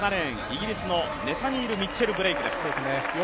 イギリスのネサニール・ミッチェル・ブレイクです。